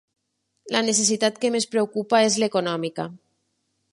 La necessitat que més preocupa és l'econòmica.